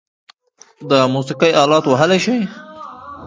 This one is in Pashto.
د موسیقۍ آلات وهلی شئ؟